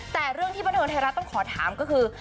แต่เรื่องที่บันเทิงไทยรัฐต้องขอถามก็คือ